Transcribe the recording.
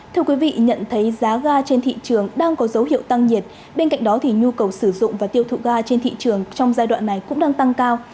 thưa quý vị nhận thấy giá ga trên thị trường đang có dấu hiệu tăng nhiệt bên cạnh đó thì nhu cầu sử dụng và tiêu thụ ga trên thị trường trong giai đoạn này cũng đang tăng cao